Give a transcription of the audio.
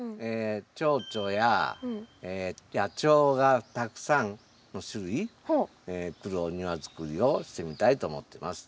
チョウチョや野鳥がたくさんの種類来るお庭作りをしてみたいと思ってます。